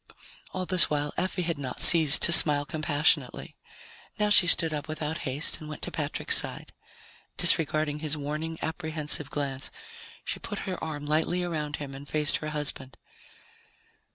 All this while Effie had not ceased to smile compassionately. Now she stood up without haste and went to Patrick's side. Disregarding his warning, apprehensive glance, she put her arm lightly around him and faced her husband.